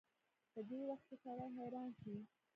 په دې وخت کې سړی حيران شي.